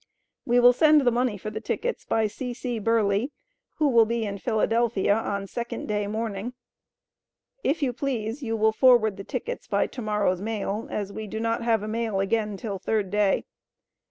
We will send the money for the tickets by C.C. Burleigh, who will be in Phila. on second day morning. If you please, you will forward the tickets by to morrow's mail as we do not have a mail again till third day.